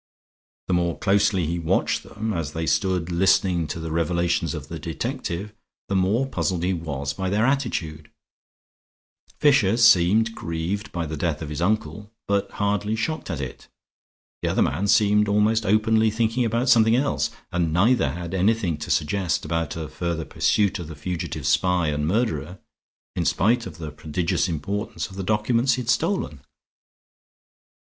The more closely he watched them, as they stood listening to the revelations of the detective, the more puzzled he was by their attitude Fisher seemed grieved by the death of his uncle, but hardly shocked at it; the older man seemed almost openly thinking about something else, and neither had anything to suggest about a further pursuit of the fugitive spy and murderer, in spite of the prodigious importance of the documents he had stolen.